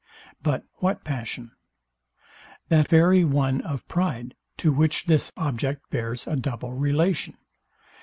But what passion? That very one of pride, to which this object bears a double relation.